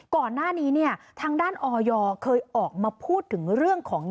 ก่อนหน้านี้เนี่ยทางด้านออยเคยออกมาพูดถึงเรื่องของ